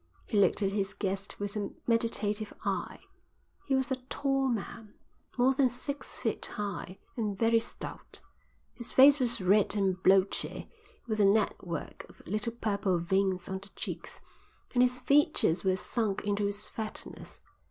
He looked at his guest with a meditative eye. He was a tall man, more than six feet high, and very stout. His face was red and blotchy, with a network of little purple veins on the cheeks, and his features were sunk into its fatness.